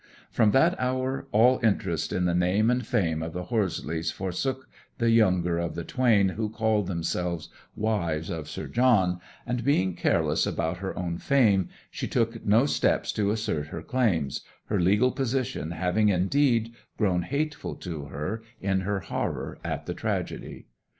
From that hour all interest in the name and fame of the Horseleighs forsook the younger of the twain who called themselves wives of Sir John, and, being careless about her own fame, she took no steps to assert her claims, her legal position having, indeed, grown hateful to her in her horror at the tragedy.